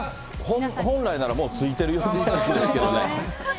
本来ならもう着いてるはずなんですけどね。